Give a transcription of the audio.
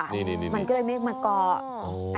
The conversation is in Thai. มันก็เลยกลับมาเกาะ